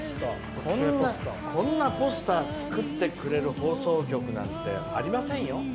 こんなポスター、作ってくれる放送局なんてありませんよ